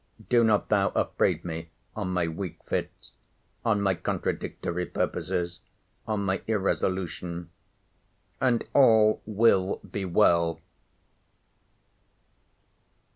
—Do not thou upbraid me on my weak fits—on my contradictory purposes—on my irresolution—and all will be well.